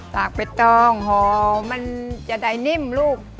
กใบตองห่อมันจะได้นิ่มลูก